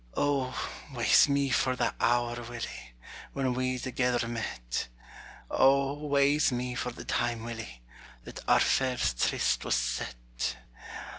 O, wae's me for the hour, Willie, When we thegither met, O, wae's me for the time, Willie, That our first tryst was set!